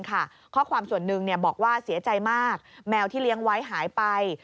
ข้อความส่วนหนึ่งบอกว่าเสียใจมากแมวที่เลี้ยงไว้หายไป